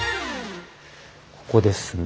ここですね。